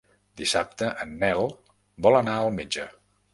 Dissabte en Nel vol anar al metge.